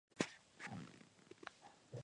X Que?